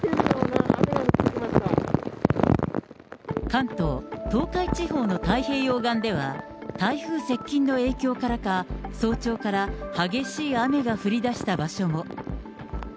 関東、東海地方の太平洋岸では、台風接近の影響からか、早朝から激しい雨が降りだした場所も。